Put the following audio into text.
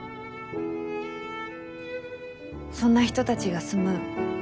そんな人たちが住む